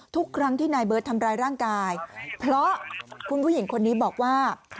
ทุกครั้งที่นายเบิร์ตทำร้ายร่างกายเพราะคุณผู้หญิงคนนี้บอกว่า